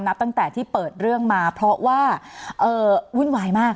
สนับสนุนโดยพี่โพเพี่ยวสะอาดใสไร้คราบ